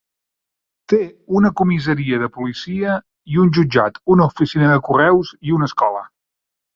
Té una comissaria de policia i un jutjat, una oficina de correus i una escola.